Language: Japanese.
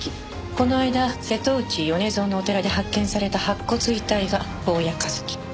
この間瀬戸内米蔵のお寺で発見された白骨遺体が坊谷一樹。